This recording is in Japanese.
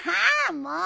もう。